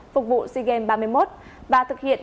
phục vụ sigem ba mươi một và thực hiện